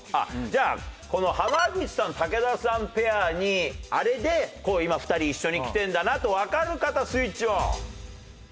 じゃあこの濱口さん・武田さんペアにあれで今２人一緒に来てんだなとわかる方スイッチオン！